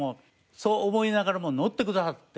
そう思いながらものってくださって。